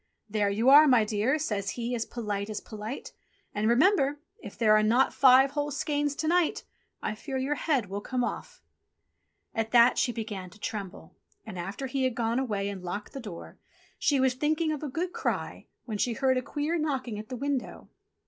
"There you are, my dear," says he as polite as polite. "And remember ! if there are not five whole skeins to night, I fear your head will come off !" At that she began to tremble, and after he had gone away and locked the door, she was just thinking of a good cry, when she heard a queer knocking at the window.